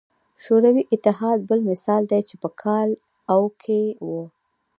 شوروي اتحاد بل مثال دی چې په کال او کې وو.